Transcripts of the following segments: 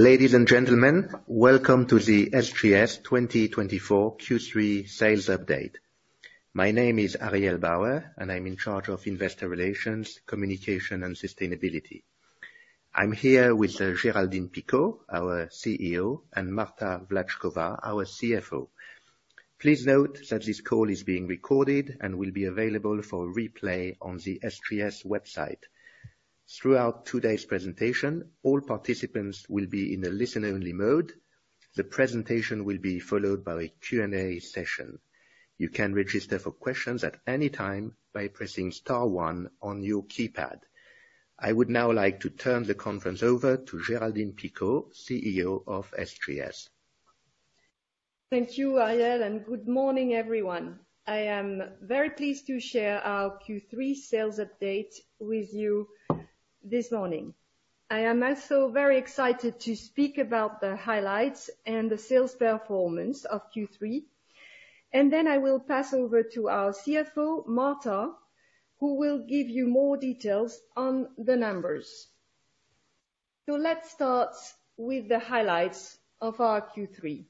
Ladies and gentlemen, welcome to the SGS twenty twenty-four Q3 sales update. My name is Ariel Bauer, and I'm in charge of investor relations, communication, and sustainability. I'm here with Géraldine Picaud, our CEO, and Marta Vlatchkova, our CFO. Please note that this call is being recorded and will be available for replay on the SGS website. Throughout today's presentation, all participants will be in a listen-only mode. The presentation will be followed by a Q&A session. You can register for questions at any time by pressing star one on your keypad. I would now like to turn the conference over to Géraldine Picaud, CEO of SGS. Thank you, Ariel, and good morning, everyone. I am very pleased to share our Q3 sales update with you this morning. I am also very excited to speak about the highlights and the sales performance of Q3, and then I will pass over to our CFO, Marta, who will give you more details on the numbers. Let's start with the highlights of our Q3.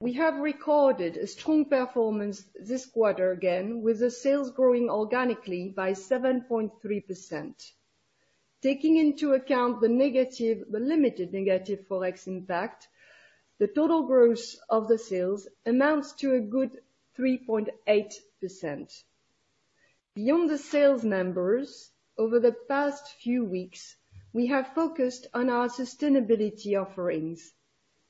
We have recorded a strong performance this quarter, again, with the sales growing organically by 7.3%. Taking into account the limited negative Forex impact, the total growth of the sales amounts to a good 3.8%. Beyond the sales numbers, over the past few weeks, we have focused on our sustainability offerings,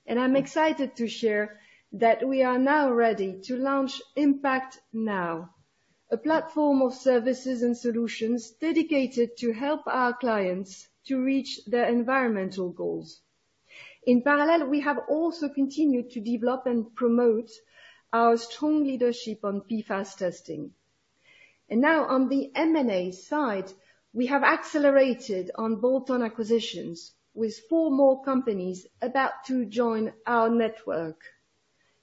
and I'm excited to share that we are now ready to launch Impact Now, a platform of services and solutions dedicated to help our clients to reach their environmental goals. In parallel, we have also continued to develop and promote our strong leadership on PFAS testing. And now on the M&A side, we have accelerated on bolt-on acquisitions, with four more companies about to join our network.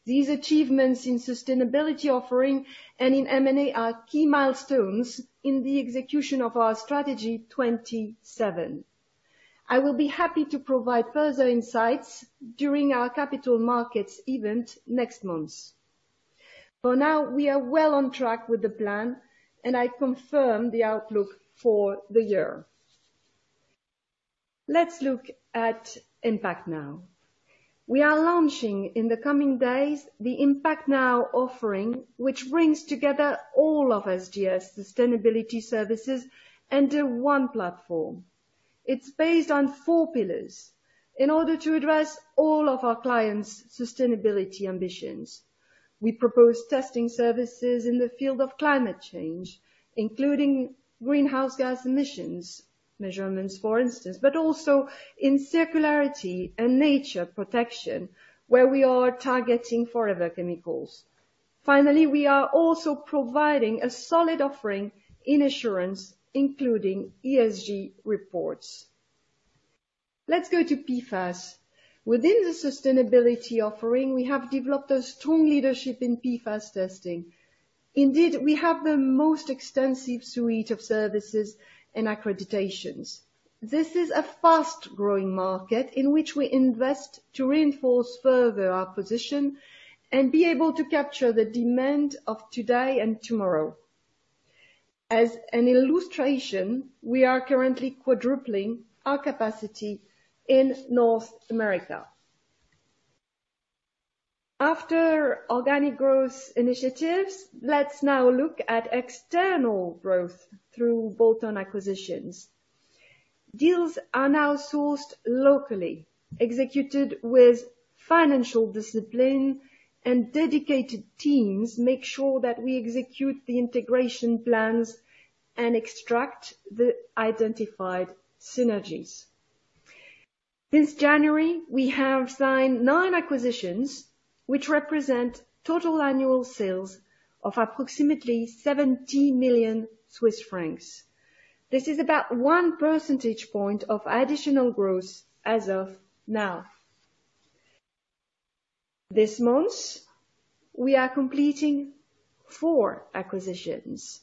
These achievements in sustainability offering and in M&A are key milestones in the execution of our Strategy 27. I will be happy to provide further insights during our capital markets event next month. For now, we are well on track with the plan, and I confirm the outlook for the year. Let's look at Impact Now. We are launching, in the coming days, the Impact Now offering, which brings together all of SGS's sustainability services under one platform. It's based on four pillars in order to address all of our clients' sustainability ambitions. We propose testing services in the field of climate change, including greenhouse gas emissions measurements, for instance, but also in circularity and nature protection, where we are targeting forever chemicals. Finally, we are also providing a solid offering in insurance, including ESG reports. Let's go to PFAS. Within the sustainability offering, we have developed a strong leadership in PFAS testing. Indeed, we have the most extensive suite of services and accreditations. This is a fast-growing market in which we invest to reinforce further our position and be able to capture the demand of today and tomorrow. As an illustration, we are currently quadrupling our capacity in North America. After organic growth initiatives, let's now look at external growth through bolt-on acquisitions. Deals are now sourced locally, executed with financial discipline, and dedicated teams make sure that we execute the integration plans and extract the identified synergies. Since January, we have signed nine acquisitions, which represent total annual sales of approximately 70 million Swiss francs. This is about one percentage point of additional growth as of now. This month, we are completing four acquisitions.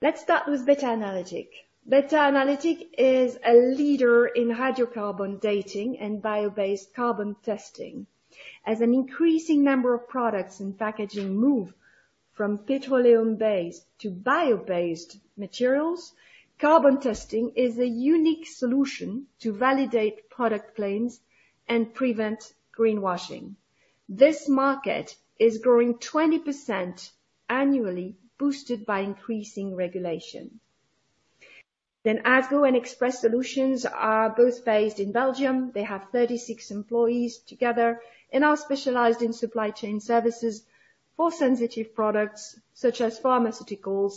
Let's start with Beta Analytic. Beta Analytic is a leader in hydrocarbon dating and bio-based carbon testing. As an increasing number of products and packaging move from petroleum-based to bio-based materials, carbon testing is a unique solution to validate product claims and prevent greenwashing. This market is growing 20% annually, boosted by increasing regulation. Then ASCO and Express Solutions are both based in Belgium. They have 36 employees together and are specialized in supply chain services for sensitive products such as pharmaceuticals,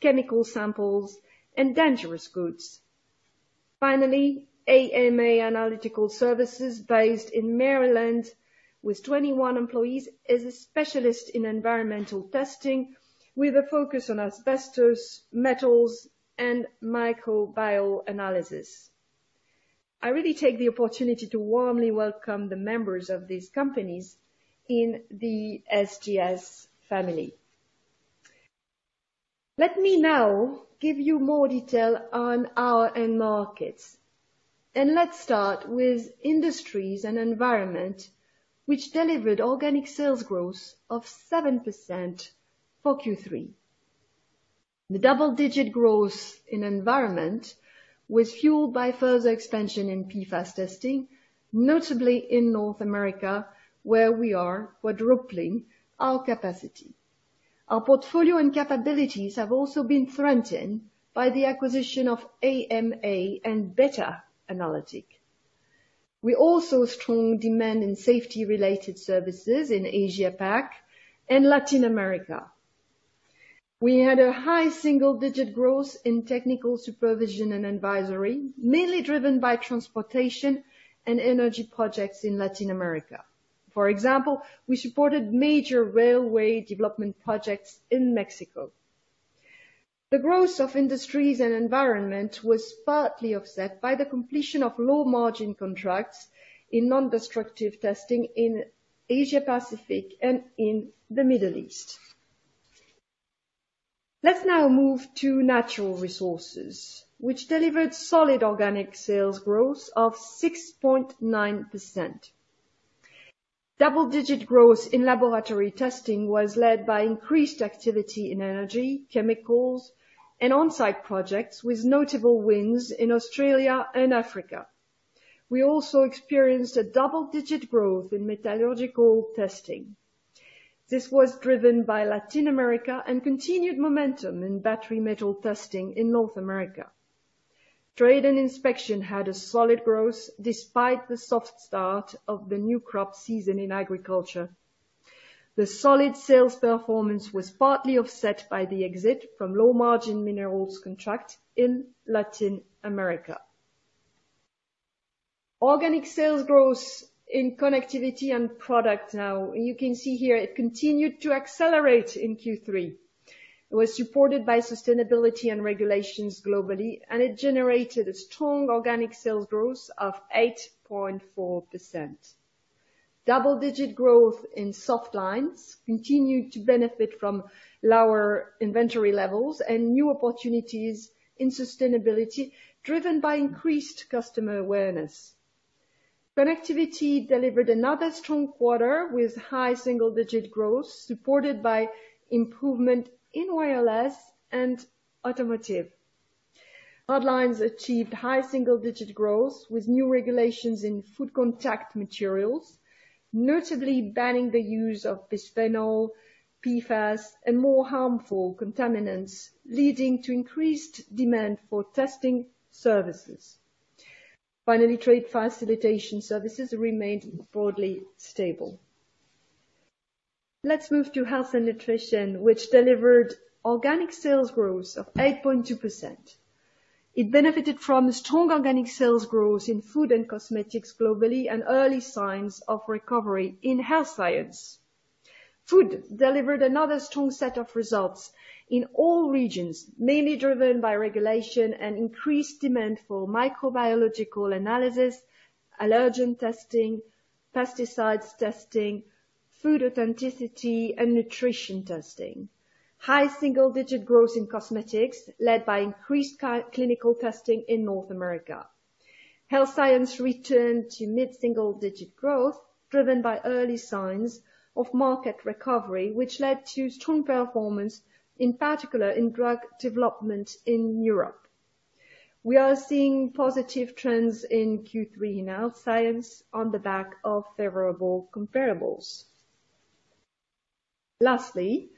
chemical samples, and dangerous goods. Finally, AMA Analytical Services, based in Maryland with 21 employees, is a specialist in environmental testing with a focus on asbestos, metals, and microbial analysis. I really take the opportunity to warmly welcome the members of these companies in the SGS family. Let me now give you more detail on our end markets, and let's start with Industries & Environment, which delivered organic sales growth of 7% for Q3. The double-digit growth in environment was fueled by further expansion in PFAS testing, notably in North America, where we are quadrupling our capacity. Our portfolio and capabilities have also been strengthened by the acquisition of AMA and Beta Analytic. We also strong demand in safety-related services in Asia Pac and Latin America. We had a high single-digit growth in technical supervision and advisory, mainly driven by transportation and energy projects in Latin America. For example, we supported major railway development projects in Mexico. The growth of Industries & Environment was partly offset by the completion of low-margin contracts in non-destructive testing in Asia Pacific and in the Middle East. Let's now move to Natural Resources, which delivered solid organic sales growth of 6.9%. Double-digit growth in laboratory testing was led by increased activity in energy, chemicals, and on-site projects, with notable wins in Australia and Africa. We also experienced a double-digit growth in metallurgical testing. This was driven by Latin America and continued momentum in battery metal testing in North America. Trade and inspection had a solid growth despite the soft start of the new crop season in agriculture. The solid sales performance was partly offset by the exit from low-margin minerals contract in Latin America. Organic sales growth in Connectivity & Products now, you can see here, it continued to accelerate in Q3. It was supported by sustainability and regulations globally, and it generated a strong organic sales growth of 8.4%. Double-digit growth in Softlines continued to benefit from lower inventory levels and new opportunities in sustainability, driven by increased customer awareness. Connectivity delivered another strong quarter, with high single-digit growth, supported by improvement in WLS and automotive. Hardlines achieved high single-digit growth, with new regulations in food contact materials, notably banning the use of bisphenol, PFAS, and more harmful contaminants, leading to increased demand for testing services. Finally, trade facilitation services remained broadly stable. Let's move to Health & Nutrition, which delivered organic sales growth of 8.2%. It benefited from strong organic sales growth in food and Cosmetics globally, and early signs of recovery in Health Science. Food delivered another strong set of results in all regions, mainly driven by regulation and increased demand for microbiological analysis, allergen testing, pesticides testing, food authenticity, and nutrition testing. High single-digit growth in Cosmetics, led by increased clinical testing in North America. Health Science returned to mid-single digit growth, driven by early signs of market recovery, which led to strong performance, in particular in drug development in Europe. We are seeing positive trends in Q3 in Health Science on the back of favorable comparables. Lastly,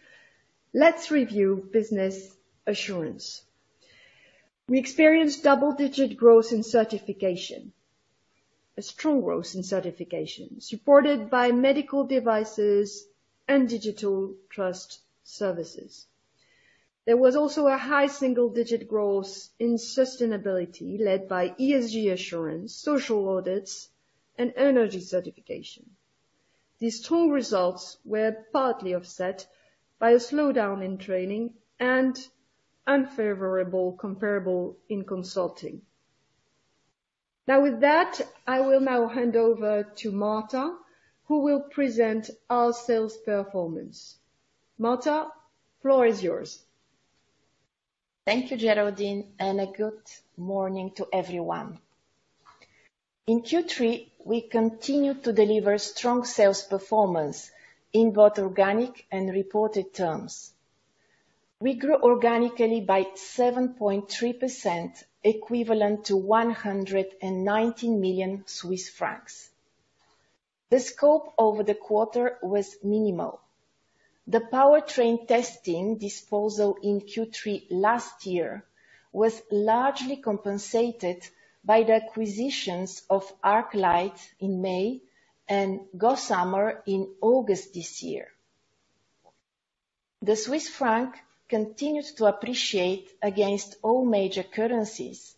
let's review Business Assurance. We experienced double-digit growth in certification, a strong growth in certification, supported by medical devices and digital trust services. There was also a high single-digit growth in sustainability, led by ESG assurance, social audits, and energy certification. These strong results were partly offset by a slowdown in training and unfavorable comparable in consulting. Now, with that, I will now hand over to Marta, who will present our sales performance. Marta, floor is yours. Thank you, Géraldine, and a good morning to everyone. In Q3, we continued to deliver strong sales performance in both organic and reported terms. We grew organically by 7.3%, equivalent to 119 million Swiss francs. The scope over the quarter was minimal. The powertrain testing disposal in Q3 last year was largely compensated by the acquisitions of ArcLight in May and Gossamer in August this year. The Swiss franc continued to appreciate against all major currencies,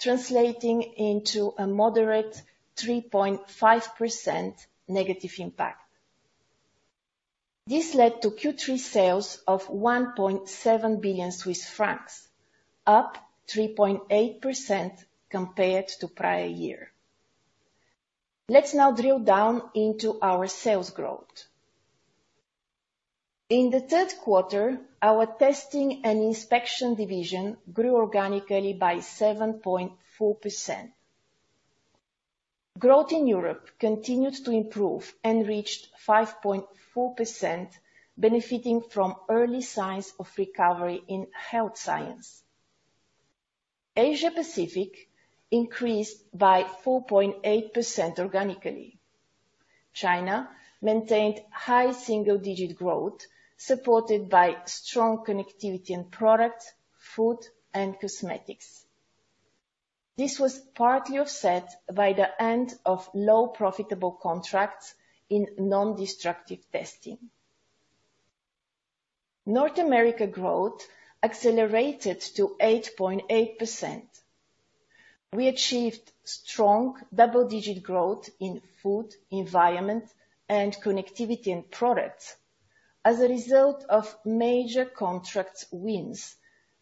translating into a moderate 3.5% negative impact. This led to Q3 sales of 1.7 billion Swiss francs, up 3.8% compared to prior year. Let's now drill down into our sales growth. In the third quarter, our testing and inspection division grew organically by 7.4%. Growth in Europe continued to improve and reached 5.4%, benefiting from early signs of recovery in Health Science. Asia Pacific increased by 4.8% organically. China maintained high single-digit growth, supported by strong connectivity in product, food, and Cosmetics. This was partly offset by the end of low profitable contracts in non-destructive testing. North America growth accelerated to 8.8%. We achieved strong double-digit growth in food, environment, and Connectivity & Products as a result of major contract wins,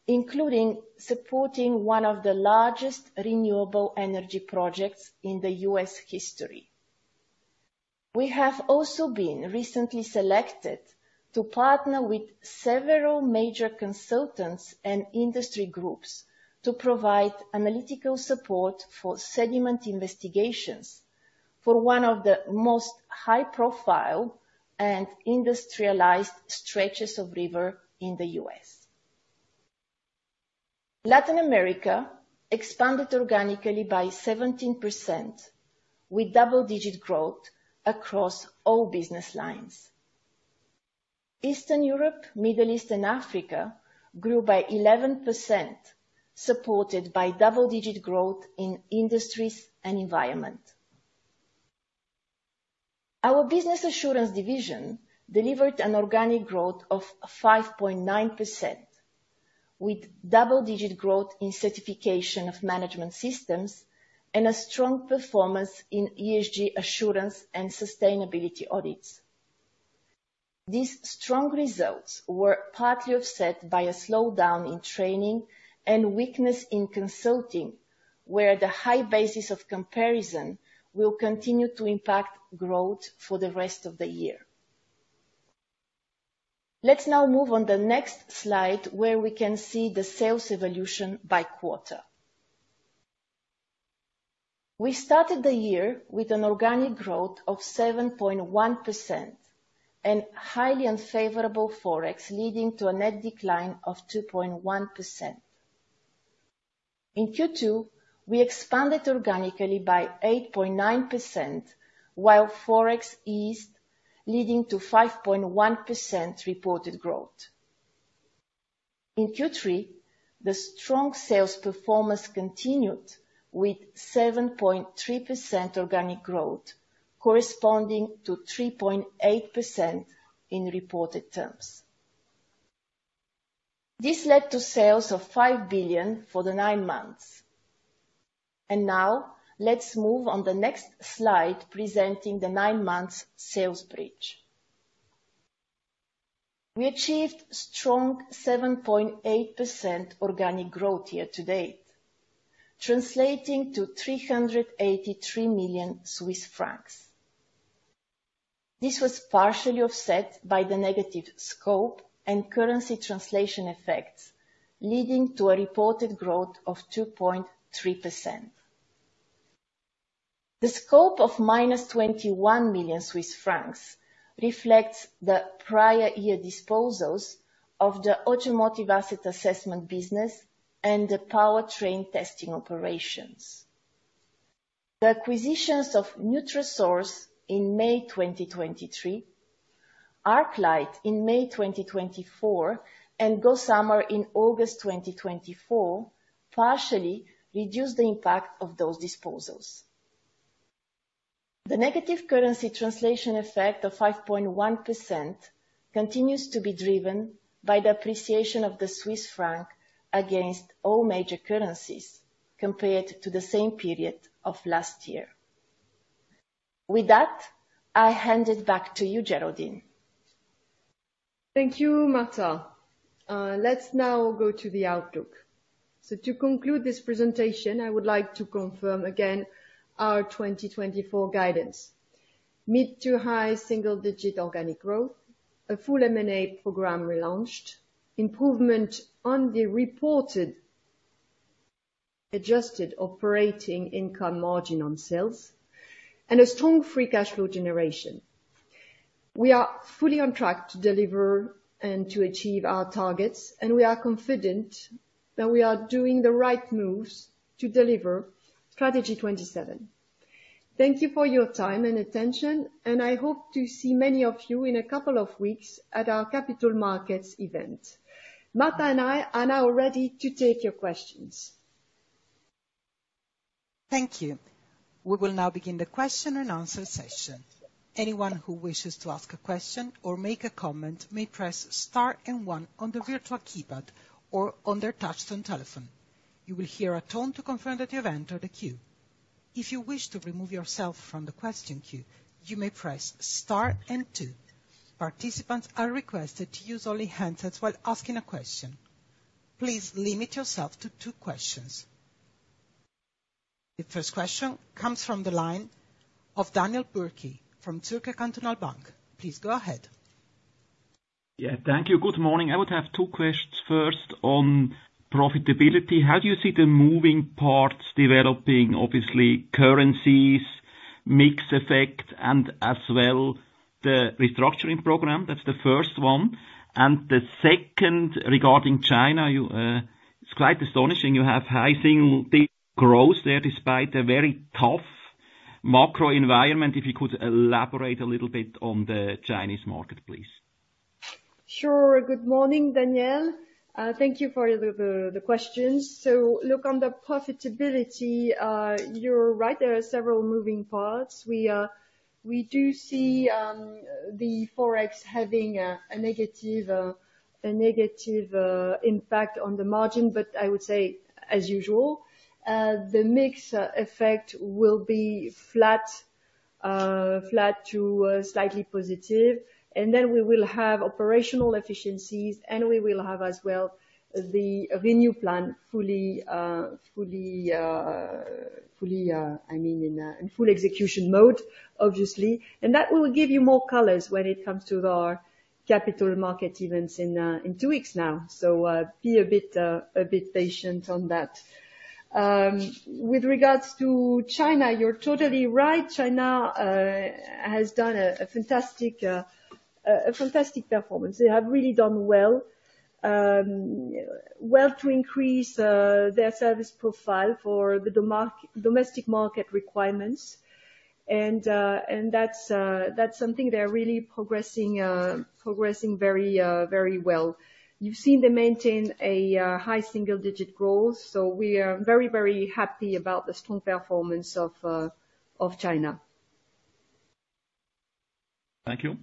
including supporting one of the largest renewable energy projects in the U.S. history. We have also been recently selected to partner with several major consultants and industry groups to provide analytical support for sediment investigations for one of the most high-profile and industrialized stretches of river in the U.S. Latin America expanded organically by 17%, with double-digit growth across all business lines. Eastern Europe, Middle East, and Africa grew by 11%, supported by double-digit growth in Industries & Environment. Our Business Assurance division delivered an organic growth of 5.9%, with double-digit growth in certification of management systems and a strong performance in ESG assurance and sustainability audits. These strong results were partly offset by a slowdown in training and weakness in consulting, where the high basis of comparison will continue to impact growth for the rest of the year. Let's now move on the next slide, where we can see the sales evolution by quarter. We started the year with an organic growth of 7.1% and highly unfavorable Forex, leading to a net decline of 2.1%. In Q2, we expanded organically by 8.9%, while Forex eased, leading to 5.1% reported growth. In Q3, the strong sales performance continued with 7.3% organic growth, corresponding to 3.8% in reported terms. This led to sales of 5 billion for the nine months. Now let's move on to the next slide, presenting the nine-month sales bridge. We achieved strong 7.8% organic growth year to date, translating to CHF 383 million. This was partially offset by the negative scope and currency translation effects, leading to a reported growth of 2.3%. The scope of -21 million Swiss francs reflects the prior year disposals of the automotive asset assessment business and the powertrain testing operations. The acquisitions of Nutrasource in May 2023, ArcLight in May 2024, and Gossamer in August 2024 partially reduced the impact of those disposals. The negative currency translation effect of 5.1% continues to be driven by the appreciation of the Swiss franc against all major currencies compared to the same period of last year. With that, I hand it back to you, Géraldine. Thank you, Marta. Let's now go to the outlook. So to conclude this presentation, I would like to confirm again our 2024 guidance: mid- to high single-digit organic growth, a full M&A program relaunched, improvement on the reported adjusted operating income margin on sales, and a strong free cash flow generation. We are fully on track to deliver and to achieve our targets, and we are confident that we are doing the right moves to deliver Strategy 27. Thank you for your time and attention, and I hope to see many of you in a couple of weeks at our capital markets event. Marta and I are now ready to take your questions. Thank you. We will now begin the question and answer session. Anyone who wishes to ask a question or make a comment may press star and one on the virtual keypad or on their touchtone telephone. You will hear a tone to confirm that you have entered a queue. If you wish to remove yourself from the question queue, you may press star and two. Participants are requested to use only handsets while asking a question. Please limit yourself to two questions. The first question comes from the line of Daniel Bürki from Zürcher Kantonalbank. Please go ahead. Yeah, thank you. Good morning. I would have two questions. First, on profitability, how do you see the moving parts developing? Obviously, currencies, mix effect, and as well, the restructuring program. That's the first one. And the second, regarding China. It's quite astonishing you have high single digit growth there despite a very tough macro environment. If you could elaborate a little bit on the Chinese market, please. Sure. Good morning, Daniel. Thank you for the questions. So look, on the profitability, you're right, there are several moving parts. We do see the Forex having a negative impact on the margin, but I would say as usual. The mix effect will be flat to slightly positive. And then we will have operational efficiencies, and we will have as well the value plan fully, I mean, in full execution mode, obviously. And that will give you more colors when it comes to our capital market events in two weeks now. So be a bit patient on that. With regards to China, you're totally right. China has done a fantastic performance. They have really done well, well to increase their service profile for the domestic market requirements. And that's something they're really progressing very well. You've seen them maintain a high single digit growth, so we are very, very happy about the strong performance of China. Thank you.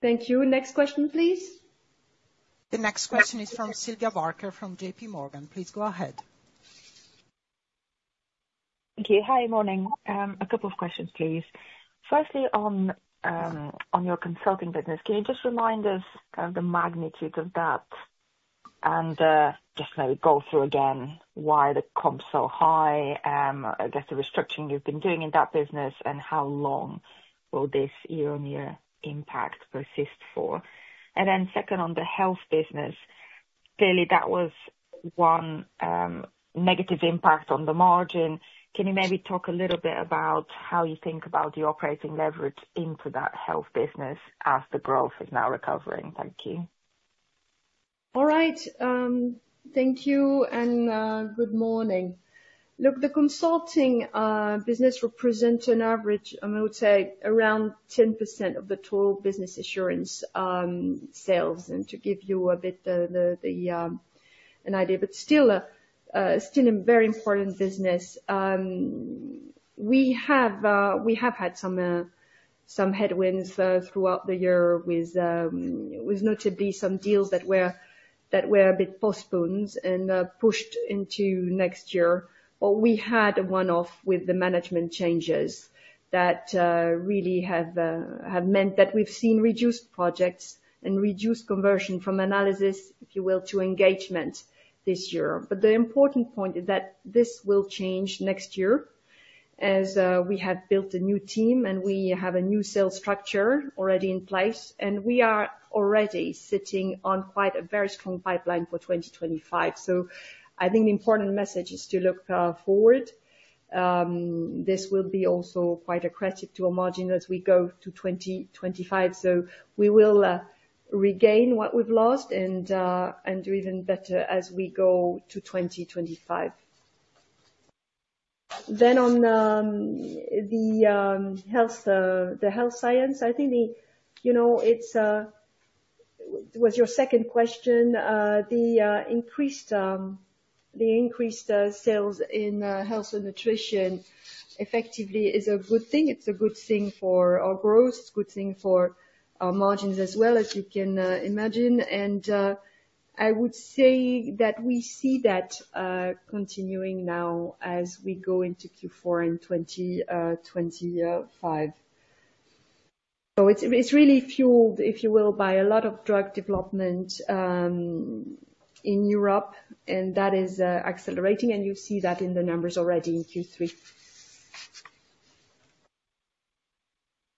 Thank you. Next question, please. The next question is from Sylvia Barker from JPMorgan. Please go ahead. Thank you. Hi, morning. A couple of questions, please. Firstly, on your consulting business, can you just remind us of the magnitude of that? And, just maybe go through again why the comp's so high, I guess the restructuring you've been doing in that business, and how long will this year-on-year impact persist for? And then second, on the health business, clearly that was one negative impact on the margin. Can you maybe talk a little bit about how you think about the operating leverage into that health business as the growth is now recovering? Thank you. All right. Thank you, and good morning. Look, the consulting business represents an average, I would say, around 10% of the total Business Assurance sales, and to give you a bit of an idea, but still a very important business. We have had some headwinds throughout the year with notably some deals that were a bit postponed and pushed into next year but we had a one-off with the management changes that really have meant that we've seen reduced projects and reduced conversion from analysis, if you will, to engagement this year. But the important point is that this will change next year, as we have built a new team, and we have a new sales structure already in place, and we are already sitting on quite a very strong pipeline for 2025. So I think the important message is to look forward. This will be also quite a credit to our margin as we go to 2025. So we will regain what we've lost and do even better as we go to 2025. Then on the Health Science, I think. You know, it's what's your second question? The increased sales in Health & Nutrition effectively is a good thing. It's a good thing for our growth, it's a good thing for our margins as well, as you can imagine, and I would say that we see that continuing now as we go into Q4 in 2025, so it's really fueled, if you will, by a lot of drug development in Europe, and that is accelerating, and you'll see that in the numbers already in Q3.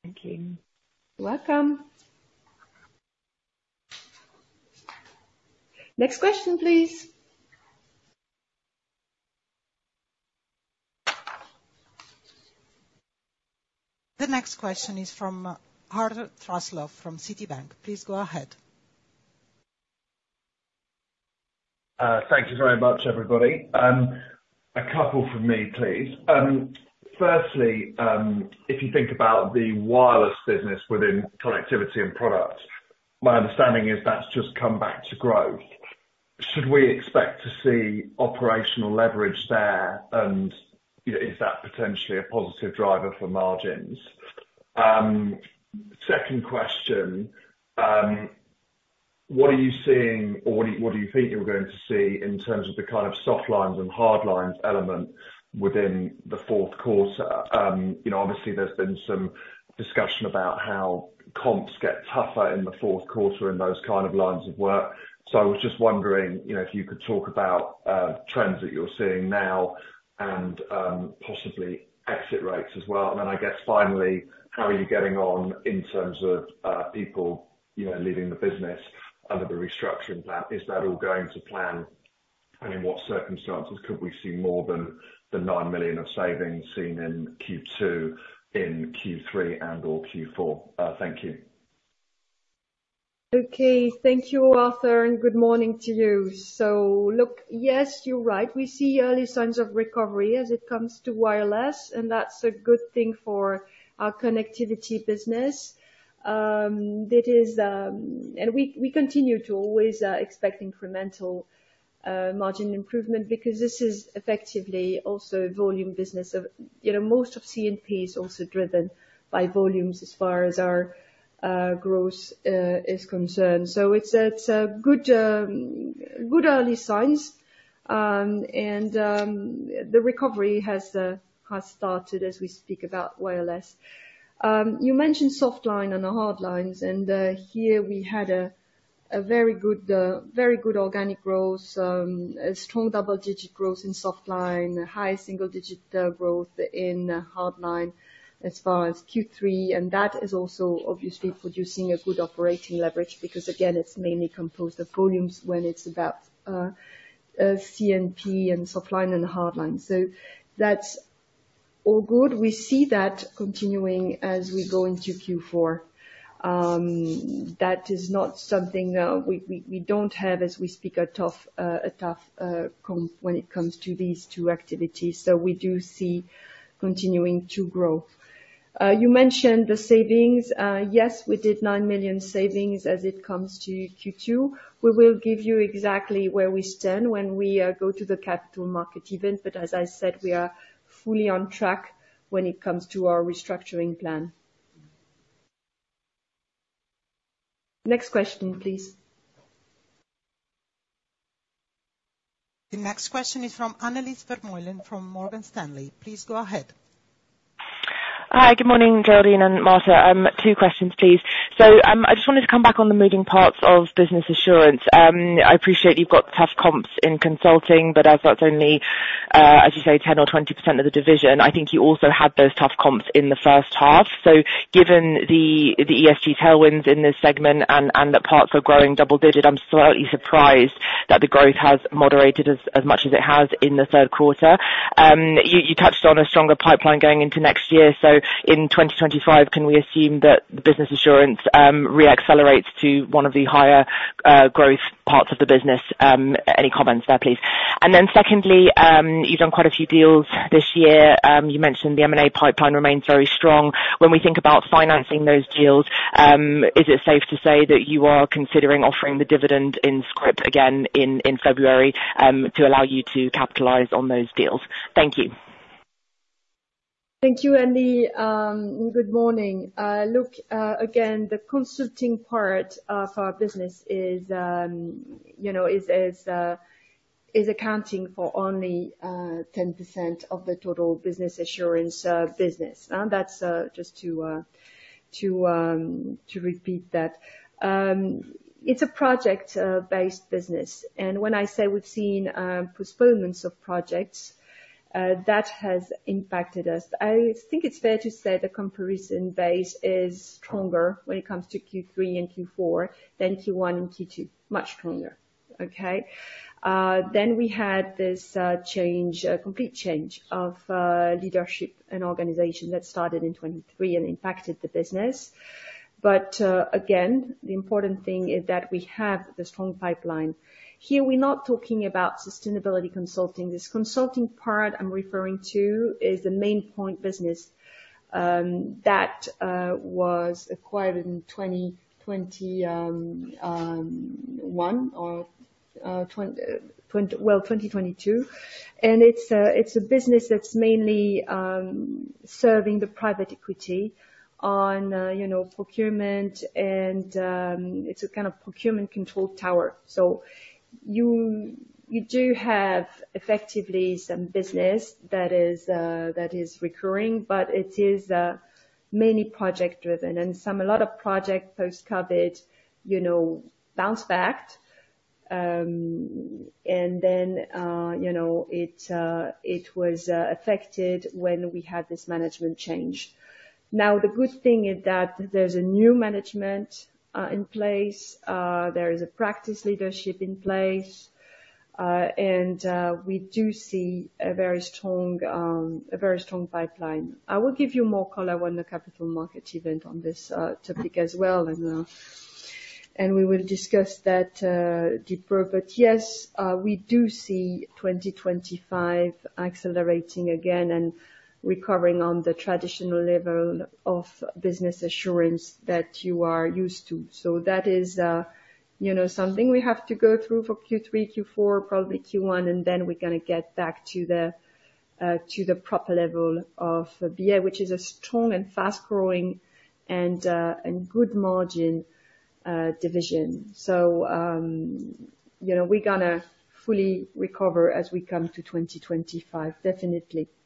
Thank you. Welcome. Next question, please. The next question is from Arthur Truslove from Citigroup. Please go ahead. Thank you very much, everybody. A couple from me, please. Firstly, if you think about the wireless business within Connectivity & Products, my understanding is that's just come back to growth. Should we expect to see operational leverage there? And, you know, is that potentially a positive driver for margins? Second question, what are you seeing, or what do you think you're going to see in terms of the kind of soft lines and hard lines element within the fourth quarter? You know, obviously there's been some discussion about how comps get tougher in the fourth quarter in those kind of lines of work. So I was just wondering, you know, if you could talk about trends that you're seeing now and possibly exit rates as well. And then, I guess finally, how are you getting on in terms of people, you know, leaving the business under the restructuring plan? Is that all going to plan? And in what circumstances could we see more than the 9 million of savings seen in Q2, in Q3 and/or Q4? Thank you. Okay. Thank you, Arthur, and good morning to you. So look, yes, you're right, we see early signs of recovery as it comes to wireless, and that's a good thing for our connectivity business. And we continue to always expect incremental margin improvement, because this is effectively also volume business of, you know, most of CNP is also driven by volumes as far as our growth is concerned. So it's a good early signs. And the recovery has started as we speak about wireless. You mentioned Softlines and the Hardlines, and here we had a very good organic growth, a strong double-digit growth in Softlines, high single-digit growth in Hardlines as far as Q3. That is also obviously producing a good operating leverage, because again, it's mainly composed of volumes when it's about CNP and Softlines and Hardlines. So that's all good. We see that continuing as we go into Q4. That is not something we don't have, as we speak, a tough comp when it comes to these two activities, so we do see continuing to grow. You mentioned the savings. Yes, we did 9 million savings as it comes to Q2. We will give you exactly where we stand when we go to the capital market event, but as I said, we are fully on track when it comes to our restructuring plan. Next question, please. The next question is from Annelies Vermeulen, from Morgan Stanley. Please go ahead. Hi, good morning, Géraldine and Marta. Two questions, please. So, I just wanted to come back on the moving parts of Business Assurance. I appreciate you've got tough comps in consulting, but as that's only, as you say, 10 or 20% of the division, I think you also had those tough comps in the first half. So given the ESG tailwinds in this segment and that parts are growing double digits, I'm slightly surprised that the growth has moderated as much as it has in the third quarter. You touched on a stronger pipeline going into next year, so in 2025, can we assume that the Business Assurance re-accelerates to one of the higher growth parts of the business? Any comments there, please? And then secondly, you've done quite a few deals this year. You mentioned the M&A pipeline remains very strong. When we think about financing those deals, is it safe to say that you are considering offering the dividend in scrip again in February, to allow you to capitalize on those deals? Thank you. Thank you, Annelies. Good morning. Look, again, the consulting part of our business is, you know, is accounting for only 10% of the total Business Assurance business. And that's just to repeat that. It's a project based business, and when I say we've seen postponements of projects, that has impacted us. I think it's fair to say the comparison base is stronger when it comes to Q3 and Q4 than Q1 and Q2. Much stronger, okay? Then we had this change, a complete change of leadership and organization that started in 2023 and impacted the business. But again, the important thing is that we have the strong pipeline. Here, we're not talking about sustainability consulting. This consulting part I'm referring to is the Maine Pointe business that was acquired in 2021 or 2022. And it's a business that's mainly serving the private equity on, you know, procurement and it's a kind of procurement control tower. So you do have effectively some business that is recurring, but it is mainly project driven. And a lot of project post-COVID, you know, bounced back, and then you know, it was affected when we had this management change. Now, the good thing is that there's a new management in place, there is a practice leadership in place, and we do see a very strong pipeline. I will give you more color on the capital market event on this topic as well, and and we will discuss that deeper. But yes, we do see 2025 accelerating again and recovering on the traditional level of Business Assurance that you are used to. So that is, you know, something we have to go through for Q3, Q4, probably Q1, and then we're gonna get back to the to the proper level of BA, which is a strong and fast-growing and good margin division. So, you know, we're gonna fully recover as we come to 2025, definitely. Then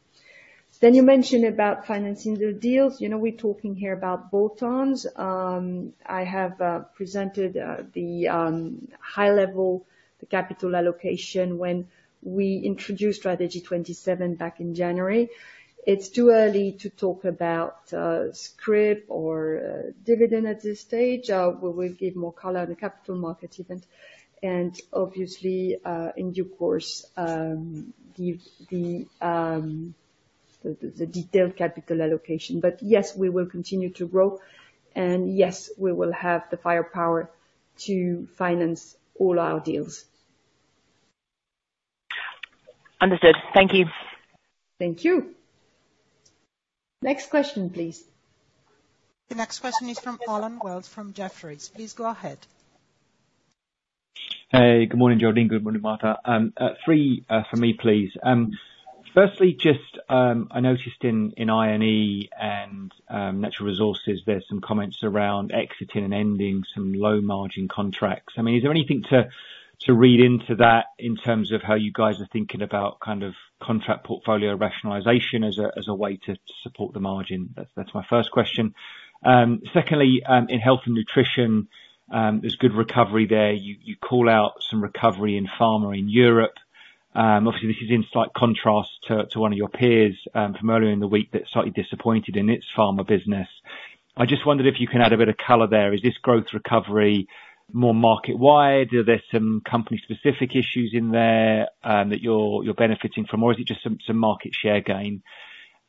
you mentioned about financing the deals. You know, we're talking here about bolt-ons. I have presented the high level, the capital allocation when we introduced Strategy 27 back in January. It's too early to talk about scrip or dividend at this stage. We will give more color on the capital markets event, and obviously, in due course, give the detailed capital allocation. But yes, we will continue to grow, and yes, we will have the firepower to finance all our deals. Understood. Thank you. Thank you. Next question, please. The next question is from Allen Wells from Jefferies. Please go ahead. Hey, good morning, Géraldine. Good morning, Marta. Three for me, please. Firstly, just, I noticed in INE and Natural Resources, there's some comments around exiting and ending some low margin contracts. I mean, is there anything to read into that in terms of how you guys are thinking about kind of contract portfolio rationalization as a way to support the margin? That's my first question. Secondly, in Health & Nutrition, there's good recovery there. You call out some recovery in pharma in Europe. Obviously, this is in slight contrast to one of your peers from earlier in the week that slightly disappointed in its pharma business. I just wondered if you can add a bit of color there. Is this growth recovery more market wide? Are there some company-specific issues in there that you're benefiting from, or is it just some market share gain?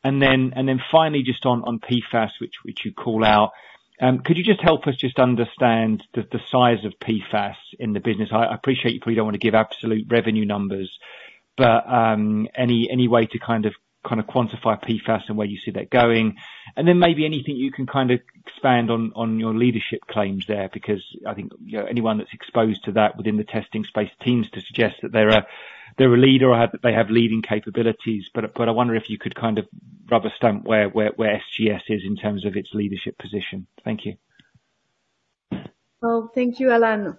And then finally, just on PFAS, which you call out, could you just help us understand the size of PFAS in the business? I appreciate you probably don't want to give absolute revenue numbers, but any way to kind of quantify PFAS and where you see that going, and then maybe anything you can kind of expand on your leadership claims there, because I think, you know, anyone that's exposed to that within the testing space tends to suggest that they're a leader or that they have leading capabilities. But I wonder if you could kind of rubber stamp where SGS is in terms of its leadership position. Thank you. Thank you, Alan,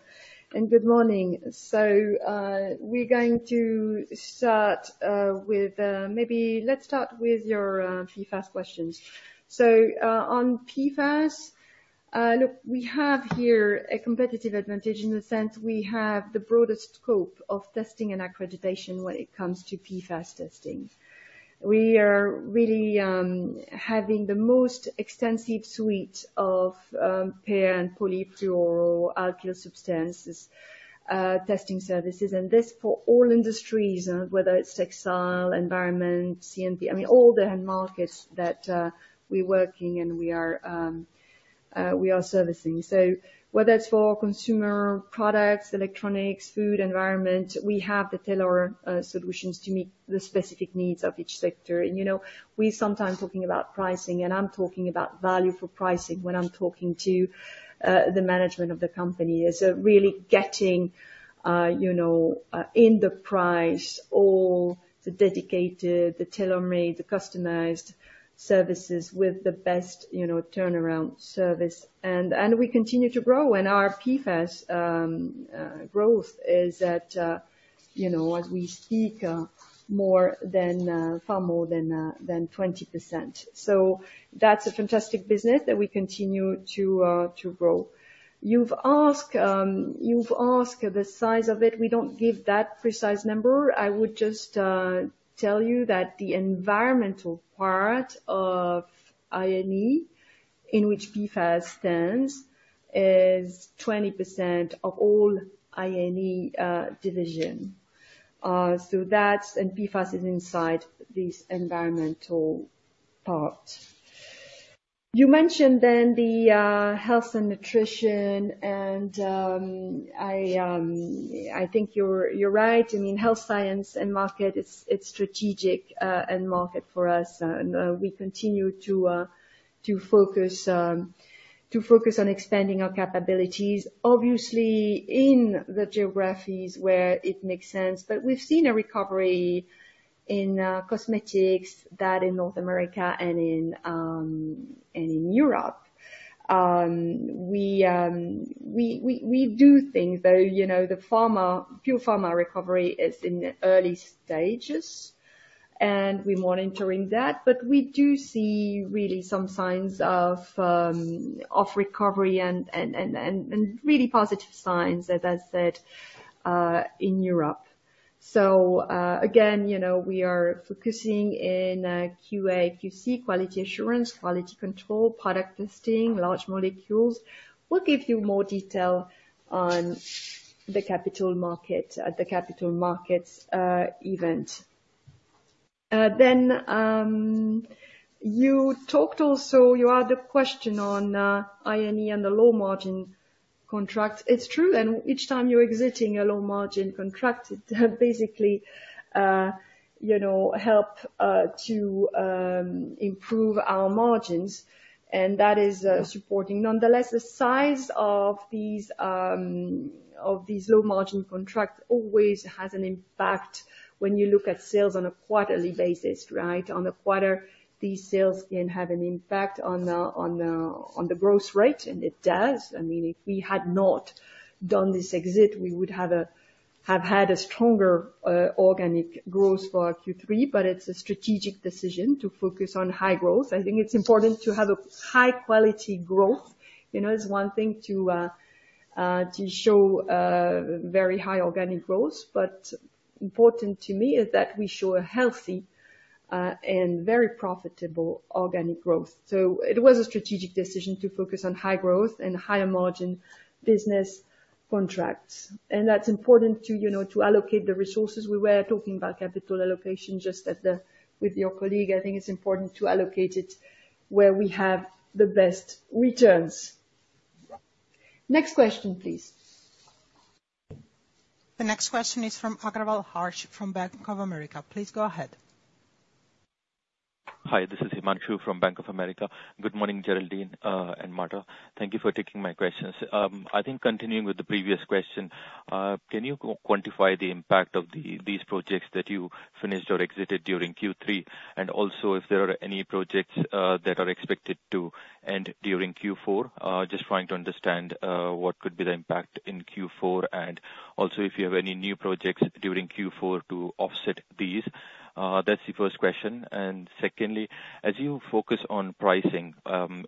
and good morning. We're going to start with maybe let's start with your PFAS questions. On PFAS, look, we have here a competitive advantage in the sense we have the broadest scope of testing and accreditation when it comes to PFAS testing. We are really having the most extensive suite of per- and polyfluoroalkyl substances testing services, and this for all industries, whether it's textile, environment, CMP, I mean, all the end markets that we're working and we are servicing. Whether it's for consumer products, electronics, food, environment, we have the tailored solutions to meet the specific needs of each sector. You know, we're sometimes talking about pricing, and I'm talking about value for pricing when I'm talking to the management of the company. So really getting, you know, in the price, all the dedicated, the tailor-made, the customized services with the best, you know, turnaround service. And we continue to grow, and our PFAS growth is at, you know, as we speak, more than, far more than, than 20%. So that's a fantastic business that we continue to grow. You've asked the size of it. We don't give that precise number. I would just tell you that the environmental part of INE, in which PFAS stands, is 20% of all INE division. So that's, and PFAS is inside this environmental part. You mentioned then the Health & Nutrition, and I think you're right. I mean, Health Science end market, it's strategic end market for us, and we continue to focus on expanding our capabilities, obviously in the geographies where it makes sense, but we've seen a recovery in Cosmetics, that in North America and in Europe. We do think that, you know, the pharma, pure pharma recovery is in the early stages, and we're monitoring that, but we do see really some signs of recovery and really positive signs, as I said, in Europe, so again, you know, we are focusing in QA, QC, quality assurance, quality control, product testing, large molecules. We'll give you more detail on the capital market at the capital markets event. You talked also, you had a question on INE and the low-margin contract. It's true, and each time you're exiting a low-margin contract, it basically you know help to improve our margins, and that is supporting. Nonetheless, the size of these low-margin contracts always has an impact when you look at sales on a quarterly basis, right? On a quarter, these sales can have an impact on the growth rate, and it does. I mean, if we had not done this exit, we would have had a stronger organic growth for Q3, but it's a strategic decision to focus on high growth. I think it's important to have a high quality growth. You know, it's one thing to show very high organic growth, but important to me is that we show a healthy and very profitable organic growth. So it was a strategic decision to focus on high growth and higher margin business contracts. And that's important to, you know, to allocate the resources. We were talking about capital allocation just with your colleague. I think it's important to allocate it where we have the best returns. Next question, please. The next question is from Himanshu Agarwal from Bank of America. Please go ahead. Hi, this is Himanshu from Bank of America. Good morning, Géraldine, and Marta. Thank you for taking my questions. I think continuing with the previous question, can you quantify the impact of these projects that you finished or exited during Q3? And also, if there are any projects that are expected to end during Q4? Just trying to understand what could be the impact in Q4, and also if you have any new projects during Q4 to offset these. That's the first question. And secondly, as you focus on pricing,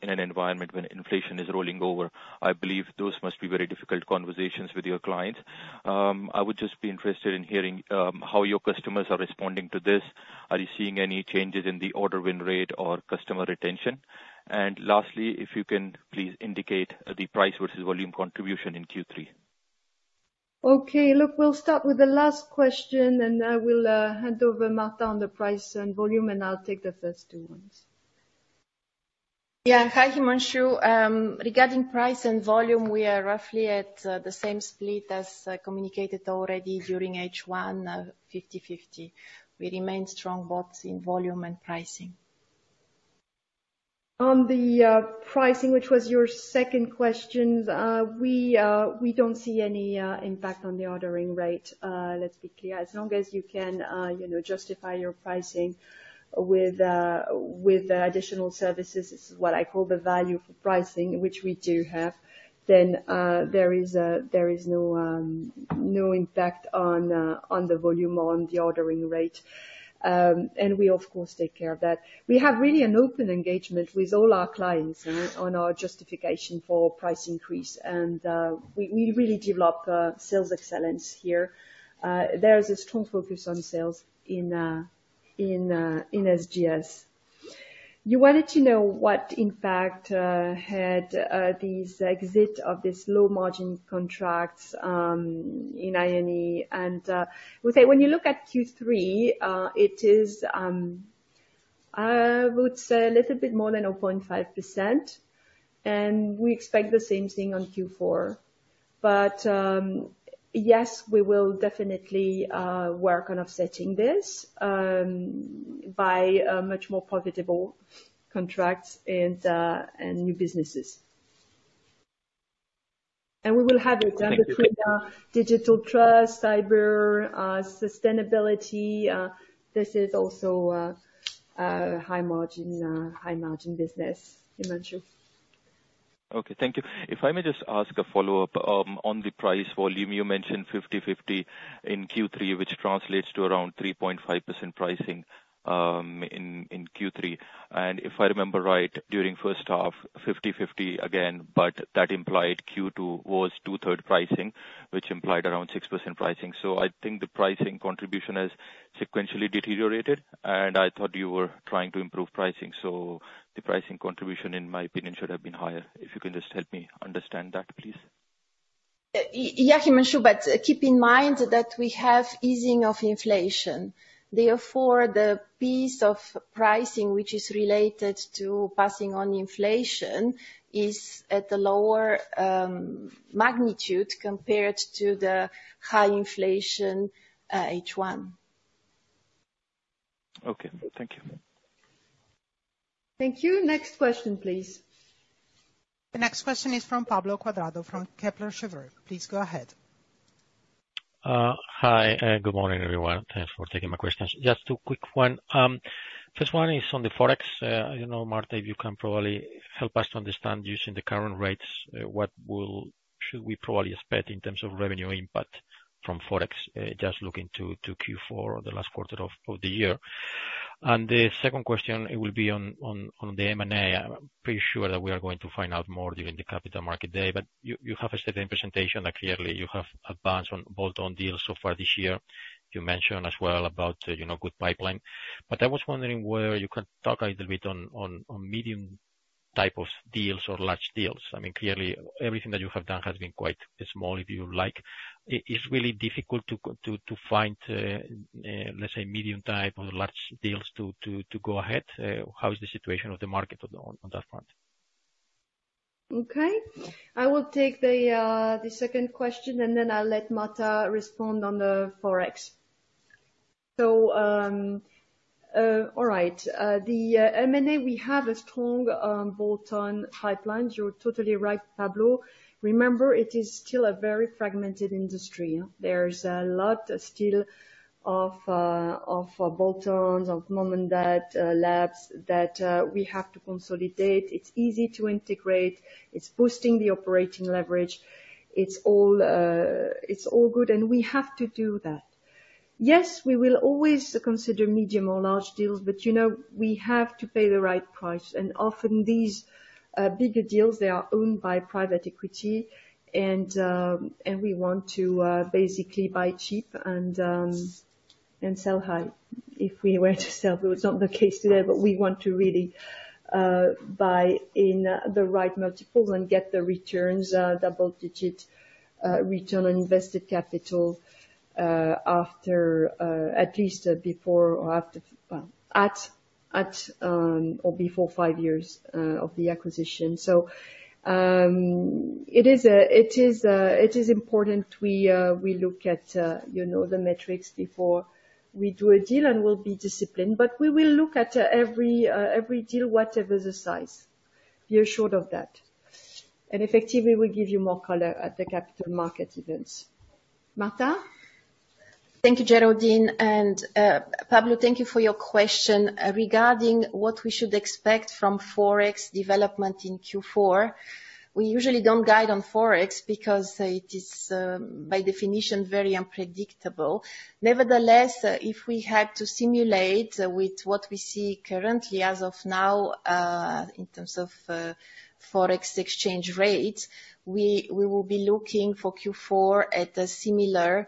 in an environment when inflation is rolling over, I believe those must be very difficult conversations with your clients. I would just be interested in hearing how your customers are responding to this. Are you seeing any changes in the order win rate or customer retention? Lastly, if you can please indicate the price versus volume contribution in Q3? Okay, look, we'll start with the last question, and I will hand over Marta on the price and volume, and I'll take the first two ones. Yeah. Hi, Himanshu. Regarding price and volume, we are roughly at the same split as communicated already during H1, fifty-fifty. We remain strong both in volume and pricing. On the pricing, which was your second question, we don't see any impact on the ordering rate. Let's be clear. As long as you can, you know, justify your pricing with additional services, this is what I call the value for pricing, which we do have, then there is no impact on the volume or on the ordering rate. And we of course take care of that. We have really an open engagement with all our clients on our justification for price increase, and we really develop sales excellence here. There is a strong focus on sales in SGS. You wanted to know what impact had these exit of this low margin contracts in INE, and we say when you look at Q3, it is, I would say a little bit more than 0.5%, and we expect the same thing on Q4. But, yes, we will definitely work on offsetting this by much more profitable contracts and new businesses. And we will have it. Thank you. Under digital trust, cyber, sustainability, this is also a high margin business, Himanshu. Okay, thank you. If I may just ask a follow-up on the price volume, you mentioned fifty-fifty in Q3, which translates to around 3.5% pricing in Q3. And if I remember right, during first half, fifty-fifty again, but that implied Q2 was two-thirds pricing, which implied around 6% pricing. So I think the pricing contribution has sequentially deteriorated, and I thought you were trying to improve pricing, so the pricing contribution, in my opinion, should have been higher. If you can just help me understand that, please. Yeah, Himanshu, but keep in mind that we have easing of inflation. Therefore, the piece of pricing, which is related to passing on inflation, is at the lower magnitude compared to the high inflation H1. Okay, thank you. Thank you. Next question, please. The next question is from Pablo Cuadrado, from Kepler Cheuvreux. Please go ahead. Hi, good morning, everyone. Thanks for taking my questions. Just two quick one. First one is on the Forex. You know, Marta, you can probably help us to understand, using the current rates, what should we probably expect in terms of revenue impact from Forex, just looking to Q4, the last quarter of the year? And the second question, it will be on the M&A. I'm pretty sure that we are going to find out more during the capital market day, but you have a certain presentation that clearly you have advanced on bolt-on deals so far this year. You mentioned as well about, you know, good pipeline. But I was wondering whether you can talk a little bit on medium type of deals or large deals. I mean, clearly, everything that you have done has been quite small, if you like. It is really difficult to go ahead? How is the situation of the market on that front? Okay. I will take the second question, and then I'll let Marta respond on the Forex. So, the M&A, we have a strong bolt-on pipeline. You're totally right, Pablo. Remember, it is still a very fragmented industry. There's a lot still of bolt-ons, of mom-and-pop labs, that we have to consolidate. It's easy to integrate. It's boosting the operating leverage. It's all good, and we have to do that. Yes, we will always consider medium or large deals, but you know, we have to pay the right price, and often these bigger deals, they are owned by private equity, and we want to basically buy cheap and sell high, if we were to sell though it's not the case today. But we want to really buy in the right multiples and get the returns, double-digit return on invested capital, after at least, before or after, at or before five years of the acquisition. So, it is important we look at, you know, the metrics before we do a deal, and we'll be disciplined. But we will look at every deal, whatever the size. Be assured of that. And effectively, we'll give you more color at the capital market events. Marta? Thank you, Géraldine, and Pablo, thank you for your question. Regarding what we should expect from Forex development in Q4, we usually don't guide on Forex because it is, by definition, very unpredictable. Nevertheless, if we had to simulate with what we see currently as of now, in terms of Forex exchange rates, we will be looking for Q4 at a similar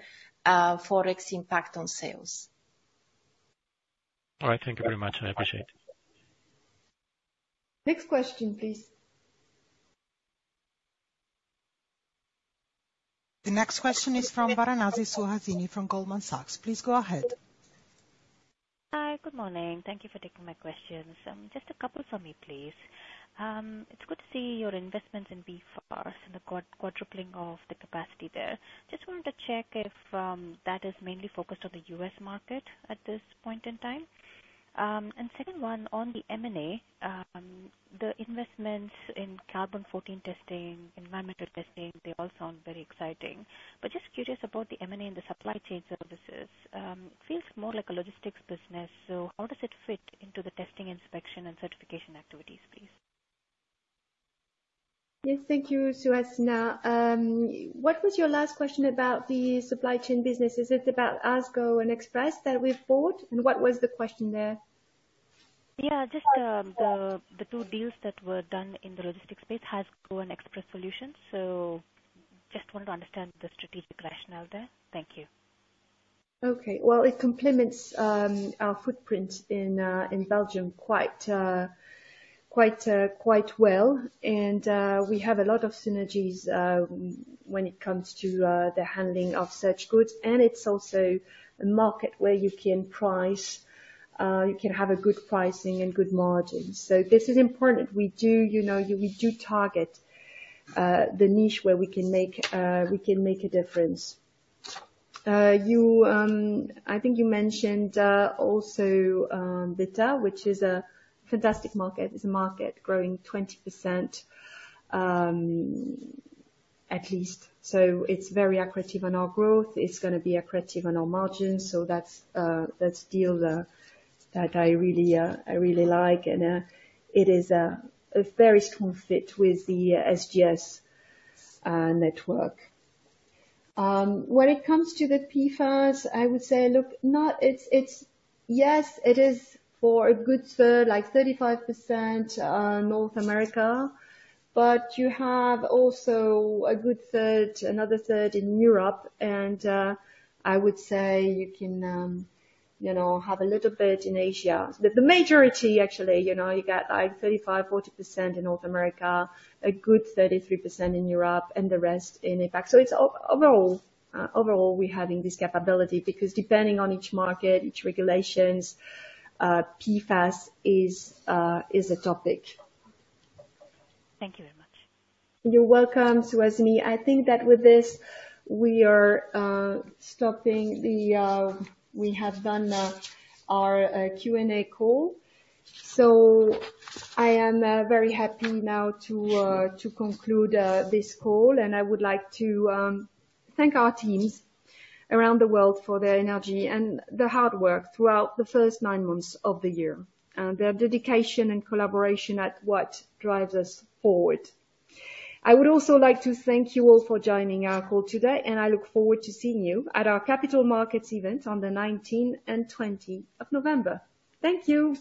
Forex impact on sales. All right. Thank you very much. I appreciate it. Next question, please. The next question is from Suhasini Varanasi from Goldman Sachs. Please go ahead. Hi, good morning. Thank you for taking my questions. Just a couple for me, please. It's good to see your investments in PFAS and the quadrupling of the capacity there. Just wanted to check if that is mainly focused on the U.S. market at this point in time? And second one, on the M&A, the investments in carbon fourteen testing, environmental testing, they all sound very exciting. But just curious about the M&A and the supply chain services. Feels more like a logistics business, so how does it fit into the testing, inspection, and certification activities, please? Yes, thank you, Suhasini. What was your last question about the supply chain business? Is it about ASCO and Express that we bought? And what was the question there? Yeah, just the two deals that were done in the logistics space, ASCO and Express Solutions. So just wanted to understand the strategic rationale there. Thank you. Okay. Well, it complements our footprint in Belgium quite well, and we have a lot of synergies when it comes to the handling of such goods, and it's also a market where you can have a good pricing and good margins. So this is important. We do, you know, we do target the niche where we can make a difference. I think you mentioned also Beta, which is a fantastic market. It's a market growing 20%, at least. So it's very accretive on our growth. It's gonna be accretive on our margins, so that's a deal that I really like, and it is a very strong fit with the SGS network. When it comes to the PFAS, I would say, look, it's. Yes, it is for a good third, like 35%, North America, but you have also a good third, another third in Europe, and, I would say you can, you know, have a little bit in Asia. But the majority, actually, you know, you get, like, 35-40% in North America, a good 33% in Europe, and the rest in APAC. So it's overall, we're having this capability, because depending on each market, each regulations, PFAS is a topic. Thank you very much. You're welcome, Suhasini. I think that with this, we are stopping the. We have done our Q&A call. So I am very happy now to conclude this call, and I would like to thank our teams around the world for their energy and their hard work throughout the first nine months of the year, and their dedication and collaboration at what drives us forward. I would also like to thank you all for joining our call today, and I look forward to seeing you at our Capital Markets event on the nineteenth and twentieth of November. Thank you.